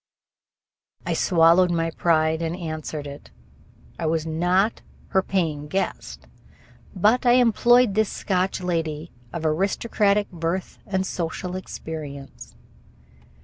I swallowed my pride and answered it. I was not her paying guest, but I employed this Scotch lady of aristocratic birth and social experience.